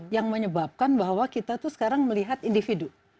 yang menyebabkan bahwa kita tuh sekarang melihat individu